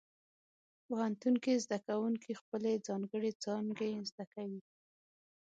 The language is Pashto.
پوهنتون کې زده کوونکي خپلې ځانګړې څانګې زده کوي.